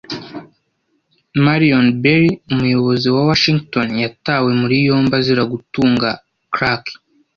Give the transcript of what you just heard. Marion Barry - Umuyobozi wa Washington yatawe muri yombi azira gutunga Crack